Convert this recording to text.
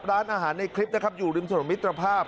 ร้านอาหารในคลิปนะครับอยู่ริมถนนมิตรภาพ